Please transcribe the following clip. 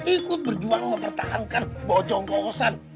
ikut berjuang mempertahankan bocong bosan